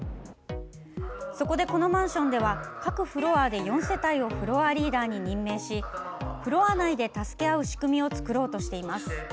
そこで、このマンションでは各フロアで４世帯をフロアリーダーに任命しフロア内で助け合う仕組みを作ろうとしています。